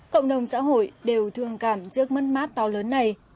cộng đồng xã hội đều thương cảm trước mất mát to lớn này